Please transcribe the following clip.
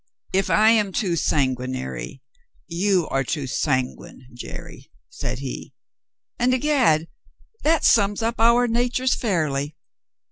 "If I am too sanguinary, you are too sanguine, Jerry," said he; "and, i'gad, that sums up our natures fairly.